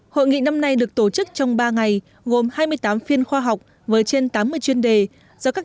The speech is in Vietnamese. hội nghị năm nay được tổ chức trong ba ngày gồm hai mươi tám phiên khoa học với trên tám mươi chuyên đề do các